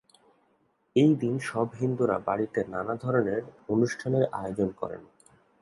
এই দিন সব হিন্দুরা বাড়িতে নানা ধরনের অনুষ্ঠানের আয়োজন করেন।